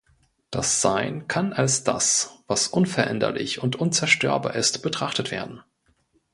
Das Sein kann als das, was unveränderlich und unzerstörbar ist, betrachtet werden.